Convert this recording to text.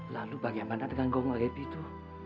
lalu bagaimana dengan gomul eti itu